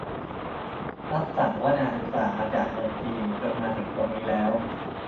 รับสั่งว่านางอุตส่าห์มาจากเมืองจีนจนมาถึงตรงนี้แล้ว